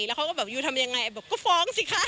แล้วเขาก็อยู่ทำอย่างไรแบบก็ฟ้องสิค่ะ